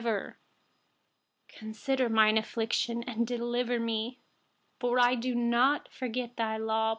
RESH 153Consider my affliction, and deliver me, for I donât forget your law.